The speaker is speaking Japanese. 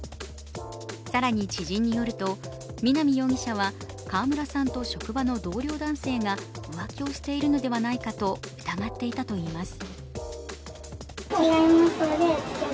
更に知人によると南容疑者は川村さんと職場の同僚男性が浮気をしているのではないかと疑っていたといいます。